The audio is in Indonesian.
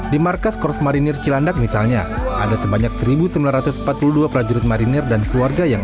di markas kors marinir cilandak misalnya ada sebanyak satu sembilan ratus empat puluh dua prajurit marinir dan keluarga yang